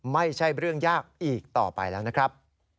ไม่ใช่เรื่องยากอีกต่อไปแล้วนะครับ